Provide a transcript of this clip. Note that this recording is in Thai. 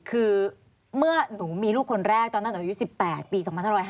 คือเมื่อหนูมีลูกคนแรกตอนนั้นหนูอายุ๑๘ปี๒๕๕๙